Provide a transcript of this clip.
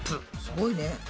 すごいね。